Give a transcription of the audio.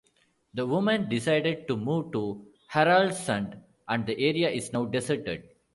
The women decided to move to Haraldssund, and the area is now deserted.